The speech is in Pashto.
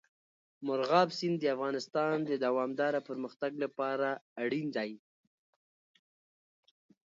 مورغاب سیند د افغانستان د دوامداره پرمختګ لپاره اړین دي.